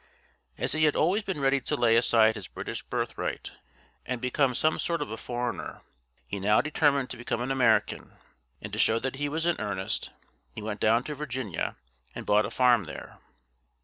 As he had always been ready to lay aside his British birthright and become some sort of a foreigner, he now determined to become an American; and to show that he was in earnest, he went down to Virginia and bought a farm there.